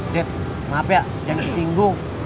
dek maaf ya jangan disinggung